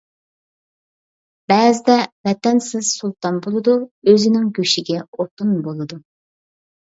بەزىدە ۋەتەنسىز سۇلتان بولىدۇ، ئۆزىنىڭ گۆشىگە ئوتۇن بولىدۇ.